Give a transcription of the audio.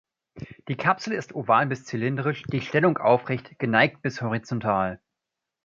Die Kapsel ist oval bis zylindrisch, die Stellung aufrecht, geneigt bis horizontal.